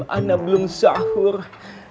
ini karena antum berdua